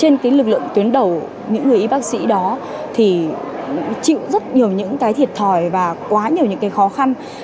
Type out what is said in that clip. những người y bác sĩ đó chịu rất nhiều những cái thiệt thòi và quá nhiều những cái khó khăn